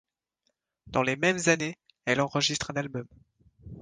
Dans les mêmes années, elle enregistre un album.